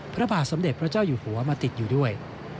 พระบาทสมเด็จพระเจ้าอยู่หัวมาติดอยู่ด้วย